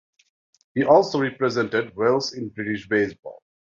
He also represented Wales in British baseball.